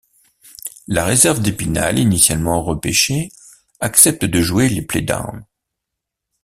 La réserve d'Epinal, initialement repêchée, accepte de jouer les play-down.